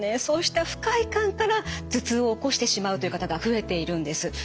そうした不快感から頭痛を起こしてしまうという方が増えているんです。